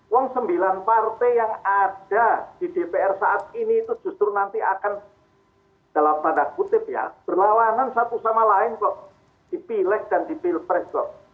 uang sembilan partai yang ada di dpr saat ini itu justru nanti akan dalam tanda kutip ya berlawanan satu sama lain kok dipilih dan dipilpres loh